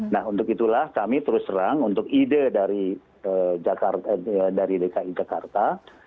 nah untuk itulah kami terus terang untuk ide dari dki jakarta